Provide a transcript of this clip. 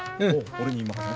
俺に任せな。